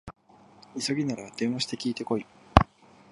急ぎなら電話して聞いてこい